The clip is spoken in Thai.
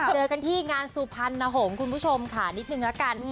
เจอกันที่งานสุพรรณหงษ์คุณผู้ชมค่ะนิดนึงละกัน